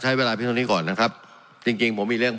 มันได้อยู่ที่ที่๕๐๐๐บาทซึ่งประมาณนี้ปี๒๐๑๘เอง